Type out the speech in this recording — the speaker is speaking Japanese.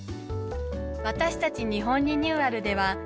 私たち日本リニューアルでは。